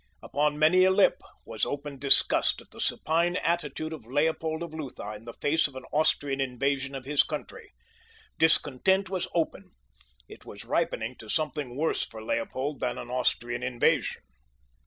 Upon many a lip was open disgust at the supine attitude of Leopold of Lutha in the face of an Austrian invasion of his country. Discontent was open. It was ripening to something worse for Leopold than an Austrian invasion.